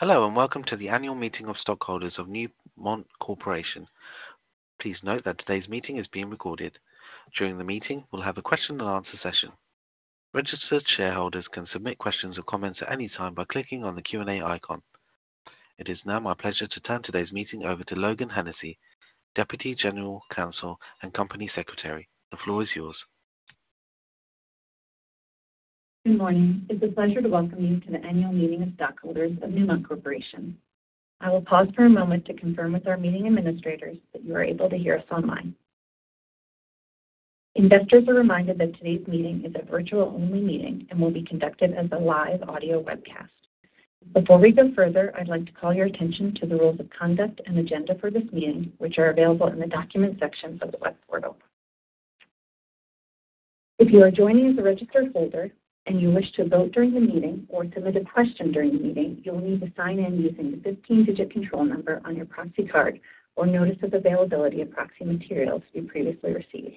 Hello, and welcome to the annual meeting of stockholders of Newmont Corporation. Please note that today's meeting is being recorded. During the meeting, we'll have a question and answer session. Registered shareholders can submit questions or comments at any time by clicking on the Q&A icon. It is now my pleasure to turn today's meeting over to Logan Hennessey, Deputy General Counsel and Company Secretary. The floor is yours. Good morning. It's a pleasure to welcome you to the annual meeting of stockholders of Newmont Corporation. I will pause for a moment to confirm with our meeting administrators that you are able to hear us online. Investors are reminded that today's meeting is a virtual-only meeting and will be conducted as a live audio webcast. Before we go further, I'd like to call your attention to the rules of conduct and agenda for this meeting, which are available in the Documents section of the web portal. If you are joining as a registered holder and you wish to vote during the meeting or submit a question during the meeting, you'll need to sign in using the 15-digit control number on your proxy card or notice of availability of proxy materials you previously received.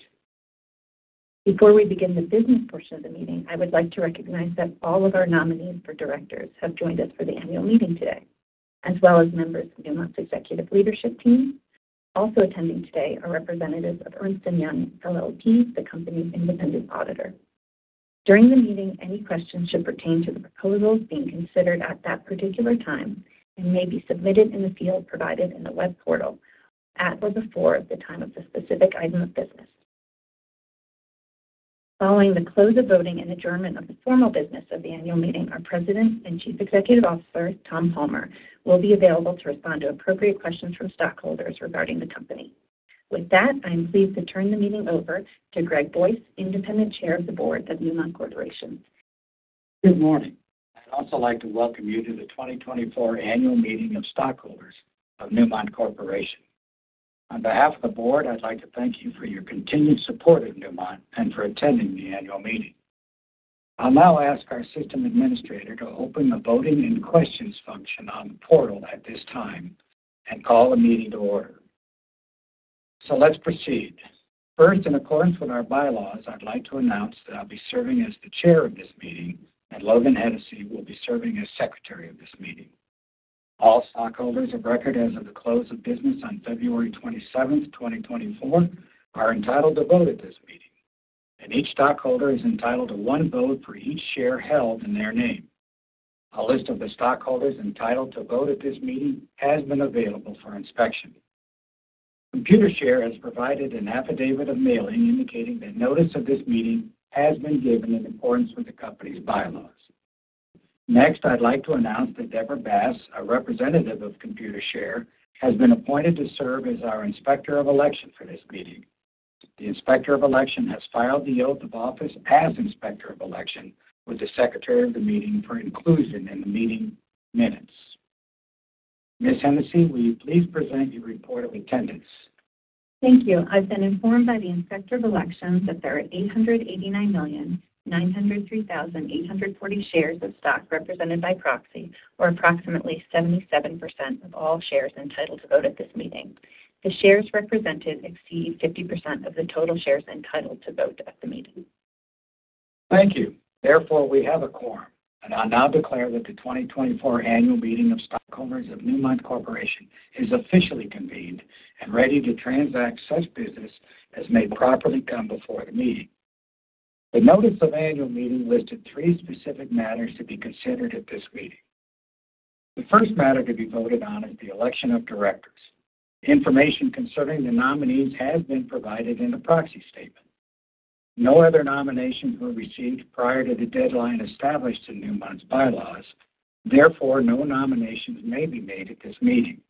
Before we begin the business portion of the meeting, I would like to recognize that all of our nominees for directors have joined us for the annual meeting today, as well as members of Newmont's executive leadership team. Also attending today are representatives of Ernst & Young LLP, the company's independent auditor. During the meeting, any questions should pertain to the proposals being considered at that particular time and may be submitted in the field provided in the web portal at or before the time of the specific item of business. Following the close of voting and adjournment of the formal business of the annual meeting, our President and Chief Executive Officer, Tom Palmer, will be available to respond to appropriate questions from stockholders regarding the company. With that, I am pleased to turn the meeting over to Greg Boyce, Independent Chair of the Board of Newmont Corporation. Good morning. I'd also like to welcome you to the 2024 annual meeting of stockholders of Newmont Corporation. On behalf of the board, I'd like to thank you for your continued support of Newmont and for attending the annual meeting. I'll now ask our system administrator to open the voting and questions function on the portal at this time and call the meeting to order. So let's proceed. First, in accordance with our bylaws, I'd like to announce that I'll be serving as the chair of this meeting, and Logan Hennessey will be serving as secretary of this meeting. All stockholders of record as of the close of business on February 27th, 2024, are entitled to vote at this meeting, and each stockholder is entitled to one vote for each share held in their name. A list of the stockholders entitled to vote at this meeting has been available for inspection. Computershare has provided an affidavit of mailing, indicating that notice of this meeting has been given in accordance with the company's bylaws. Next, I'd like to announce that Deborah Bass, a representative of Computershare, has been appointed to serve as our Inspector of Election for this meeting. The Inspector of Election has filed the oath of office as Inspector of Election with the Secretary of the meeting for inclusion in the meeting minutes. Ms. Hennessey, will you please present your report of attendance? Thank you. I've been informed by the Inspector of Elections that there are 889,903,840 shares of stock represented by proxy, or approximately 77% of all shares entitled to vote at this meeting. The shares represented exceed 50% of the total shares entitled to vote at the meeting. Thank you. Therefore, we have a quorum, and I now declare that the 2024 annual meeting of stockholders of Newmont Corporation is officially convened and ready to transact such business as may properly come before the meeting. The notice of annual meeting listed three specific matters to be considered at this meeting. The first matter to be voted on is the election of directors. Information concerning the nominees has been provided in the proxy statement. No other nominations were received prior to the deadline established in Newmont's bylaws. Therefore, no nominations may be made at this meeting.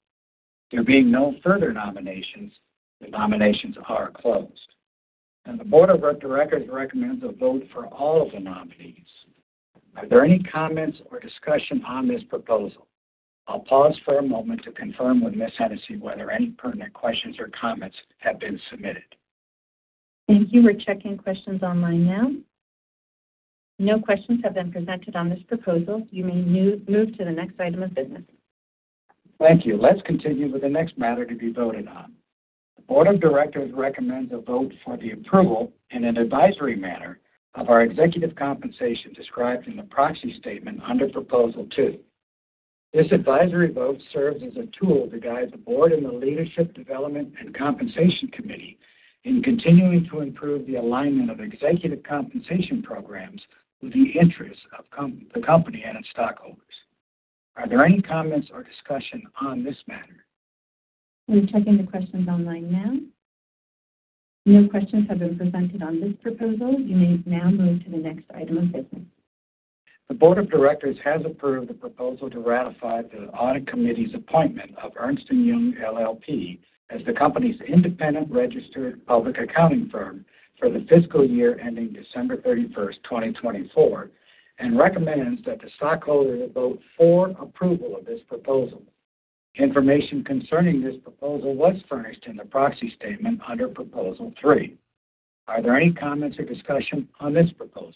There being no further nominations, the nominations are closed, and the board of directors recommends a vote for all of the nominees. Are there any comments or discussion on this proposal? I'll pause for a moment to confirm with Ms. Hennessey whether any pertinent questions or comments have been submitted. Thank you. We're checking questions online now. No questions have been presented on this proposal. You may move to the next item of business. Thank you. Let's continue with the next matter to be voted on. The board of directors recommends a vote for the approval in an advisory manner of our executive compensation described in the proxy statement under Proposal Two. This advisory vote serves as a tool to guide the board and the Leadership Development and Compensation Committee in continuing to improve the alignment of executive compensation programs with the interests of the company and its stockholders. Are there any comments or discussion on this matter? We're checking the questions online now. No questions have been presented on this proposal. You may now move to the next item of business. The board of directors has approved the proposal to ratify the Audit Committee's appointment of Ernst & Young LLP as the company's independent registered public accounting firm for the fiscal year ending December 31, 2024, and recommends that the stockholders vote for approval of this proposal. Information concerning this proposal was furnished in the proxy statement under Proposal Three. Are there any comments or discussion on this proposal?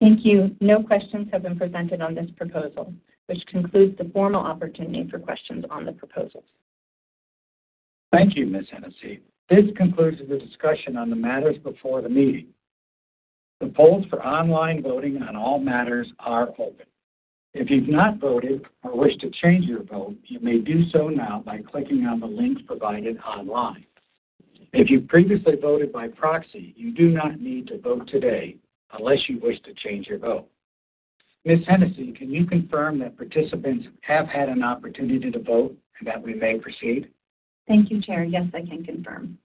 Thank you. No questions have been presented on this proposal, which concludes the formal opportunity for questions on the proposals. Thank you, Ms. Hennessey. This concludes the discussion on the matters before the meeting. The polls for online voting on all matters are open. If you've not voted or wish to change your vote, you may do so now by clicking on the links provided online. If you previously voted by proxy, you do not need to vote today unless you wish to change your vote. Ms. Hennessey, can you confirm that participants have had an opportunity to vote and that we may proceed? Thank you, Chair. Yes, I can confirm.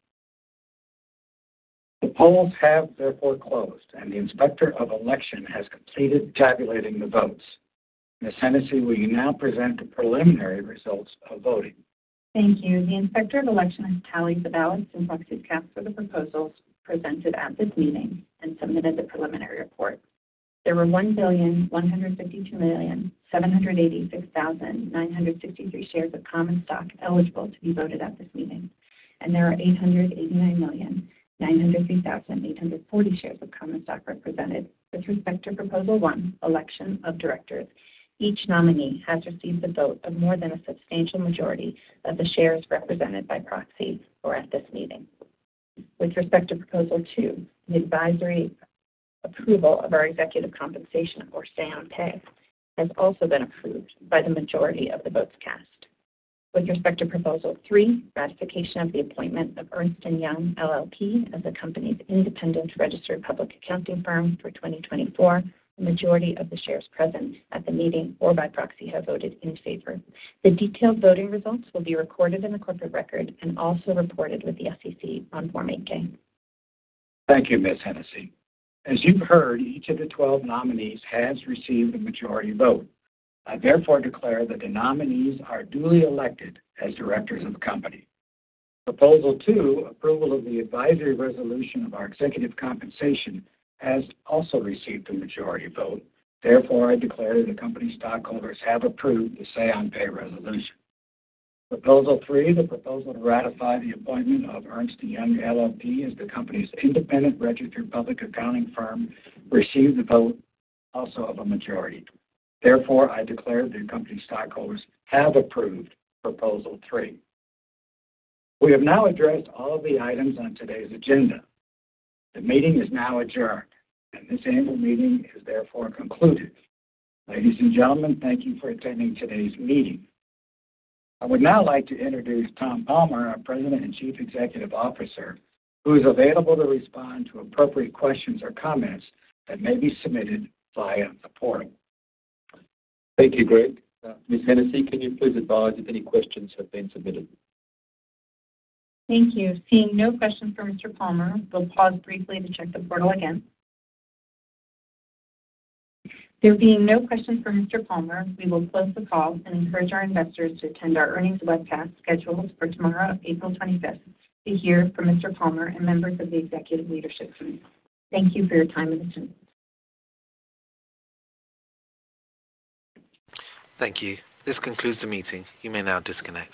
The polls have therefore closed, and the Inspector of Election has completed tabulating the votes. Ms. Hennessey, will you now present the preliminary results of voting? Thank you. The Inspector of Election has tallied the ballots and proxies cast for the proposals presented at this meeting and submitted the preliminary report. There were 1,152,786,963 shares of common stock eligible to be voted at this meeting, and there are 889,903,840 shares of common stock represented. With respect to Proposal One, Election of Directors, each nominee has received the vote of more than a substantial majority of the shares represented by proxy or at this meeting. With respect to Proposal Two, the advisory approval of our executive compensation or Say on Pay, has also been approved by the majority of the votes cast. With respect to Proposal Three, ratification of the appointment of Ernst & Young LLP as the company's independent registered public accounting firm for 2024, the majority of the shares present at the meeting or by proxy, have voted in favor. The detailed voting results will be recorded in the corporate record and also reported with the SEC on Form 8-K. Thank you, Ms. Hennessey. As you've heard, each of the 12 nominees has received a majority vote. I therefore declare that the nominees are duly elected as directors of the company. Proposal Two, approval of the advisory resolution of our executive compensation, has also received a majority vote. Therefore, I declare the company's stockholders have approved the Say on Pay resolution. Proposal Three, the proposal to ratify the appointment of Ernst & Young LLP as the company's independent registered public accounting firm, received the vote also of a majority. Therefore, I declare the company's stockholders have approved Proposal Three. We have now addressed all of the items on today's agenda. The meeting is now adjourned, and this annual meeting is therefore concluded. Ladies and gentlemen, thank you for attending today's meeting. I would now like to introduce Tom Palmer, our President and Chief Executive Officer, who is available to respond to appropriate questions or comments that may be submitted via the portal. Thank you, Greg. Ms. Hennessey, can you please advise if any questions have been submitted? Thank you. Seeing no questions for Mr. Palmer, we'll pause briefly to check the portal again. There being no questions for Mr. Palmer, we will close the call and encourage our investors to attend our earnings webcast, scheduled for tomorrow, April 25, to hear from Mr. Palmer and members of the executive leadership team. Thank you for your time and attention. Thank you. This concludes the meeting. You may now disconnect.